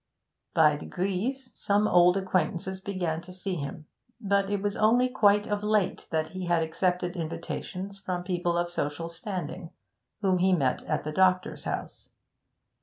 By degrees some old acquaintances began to see him, but it was only quite of late that he had accepted invitations from people of social standing, whom he met at the doctor's house.